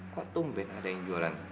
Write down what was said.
kok ada yang jualan